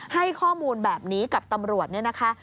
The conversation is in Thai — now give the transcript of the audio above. ให้ข้อมูลแบบนี้กับตำรวจเนี่ยนะคะ